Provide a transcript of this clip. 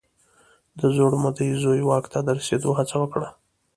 د زوړ مدعي زوی واک ته د رسېدو هڅه وکړه.